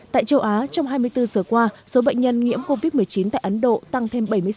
tại châu á trong hai mươi bốn giờ qua số bệnh nhân nhiễm covid một mươi chín tại ấn độ tăng thêm bảy mươi sáu